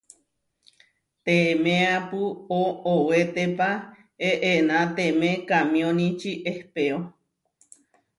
Temeápu oʼowetépa eʼenatemé kamióniči ehpéo.